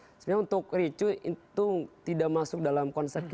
sebenarnya untuk ricu itu tidak masuk dalam konsepnya